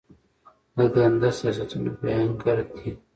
د ګنده سیاستونو بیانګر دي.